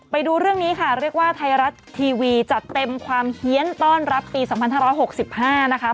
ไปดูเรื่องนี้ค่ะเรียกว่าไทยรัฐทีวีจัดเต็มความเฮียนต้อนรับปี๒๕๖๕นะคะ